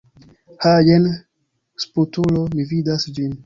Ha jen sputulo, mi vidas vin.